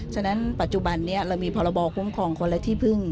ฉะนั้นปัจจุบันนี้เรามีพรบคุ้มครองคนละที่พึ่ง